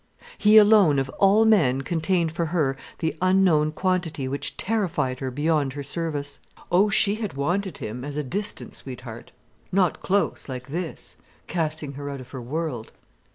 He alone of all men contained for her the unknown quantity which terrified her beyond her service. Oh, she had wanted him as a distant sweetheart, not close, like this, casting her out of her world.